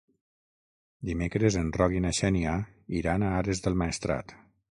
Dimecres en Roc i na Xènia iran a Ares del Maestrat.